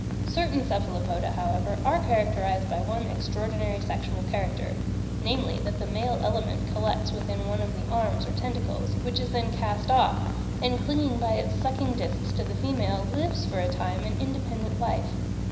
Certain Cephalopoda, however, are characterised by one extraordinary sexual character, namely that the male element collects within one of the arms or tentacles, which is then cast off, and clinging by its sucking discs to the female, lives for a time an independent life.